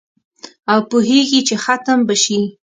او پوهیږي چي ختم به شي